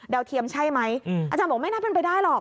เทียมใช่ไหมอาจารย์บอกไม่น่าเป็นไปได้หรอก